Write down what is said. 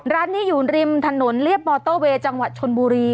ร้านนี้อยู่ริมถนนเรียบมอเตอร์เวย์จังหวัดชนบุรี